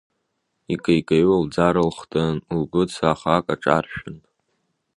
Икеи кеиуа лӡара хтын, лгәы цахак аҿаршәын…